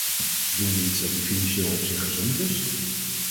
Doen we iets dat in financieel opzicht gezond is?